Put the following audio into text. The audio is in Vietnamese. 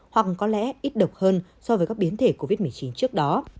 hoặc có lẽ ít độc hơn so với các biến thể covid một mươi chín trước đó